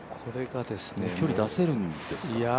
距離出せるんですか？